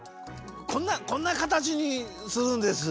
こんなこんなかたちにするんです。